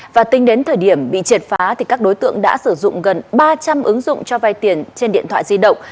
và tính đến thời điểm bị triệt phá các đối tượng đã sử dụng gần ba trăm linh ứng dụng cho vay tiền trên điện thoại di động